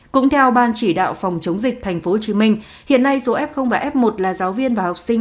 cũng theo ban chỉ đạo phòng chống dịch tp hcm hiện nay số f và f một là giáo viên và học sinh